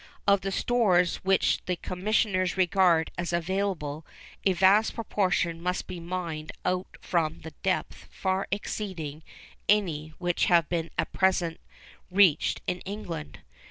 Of the stores which the Commissioners regard as available a vast proportion must be mined out from depths far exceeding any which have been at present reached in England.